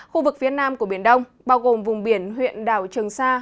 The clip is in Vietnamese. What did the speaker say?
khu vực phía nam của biển đông bao gồm vùng biển huyện đảo trường sa